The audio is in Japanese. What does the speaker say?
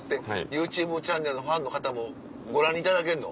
ＹｏｕＴｕｂｅチャンネルのファンの方もご覧いただけんの？